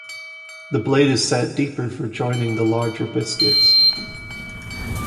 The blade is set deeper for joining the larger biscuits.